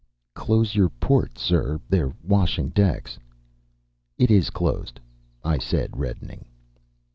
"Close your port, sir they are washing decks." "It is closed," I said, reddening.